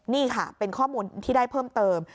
นี่ค่ะเป็นข้อมูลที่ได้เพิ่มเติม